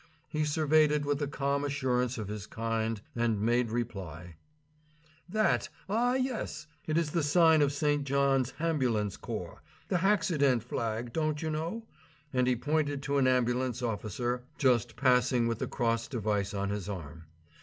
He surveyed it with the calm assurance of his kind, and made reply: "That, ah, yes! It is the sign of St. John's hambulance corps, the haccident flag, don't you know," and he pointed to an ambulance officer just passing with the cross device on his arm.